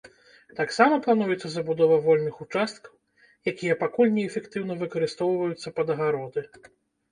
Таксама плануецца забудова вольных участкаў, якія пакуль неэфектыўна выкарыстоўваюцца пад агароды.